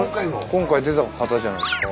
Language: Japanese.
今回出た方じゃないですか？